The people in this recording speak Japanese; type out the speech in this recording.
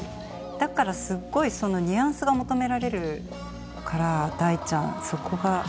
だからすごいニュアンスが求められるから大ちゃんそこが。